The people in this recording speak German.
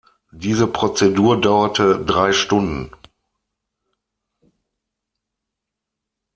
Diese Prozedur dauerte drei Stunden.